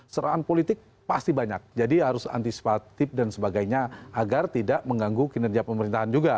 serangan politik pasti banyak jadi harus antisipatif dan sebagainya agar tidak mengganggu kinerja pemerintahan juga